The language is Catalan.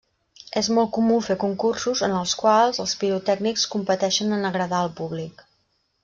És molt comú fer concursos, en els quals, els pirotècnics competeixen en agradar el públic.